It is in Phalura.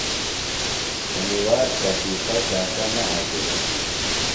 انیۡ وار شفیقہ شاکہ نہ اٹِلہ۔